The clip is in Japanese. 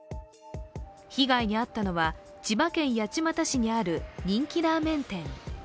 被害に遭ったのは千葉県八街市にある人気ラーメン店。